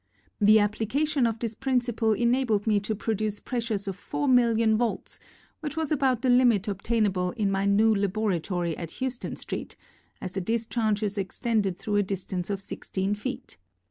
The applica tion of this principle enabled me to pro duce pressures of 4,000,000 volts, which was about the limit obtainable in my new laboratory at Houston Street, as the dis charges extended through a distance of 16 feet.